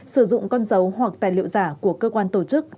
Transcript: sử dụng con dấu hoặc tài liệu giả của cơ quan tổ chức